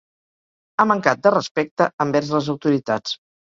Ha mancat de respecte envers les autoritats.